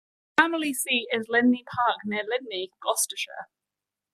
The family seat is Lydney Park, near Lydney, Gloucestershire.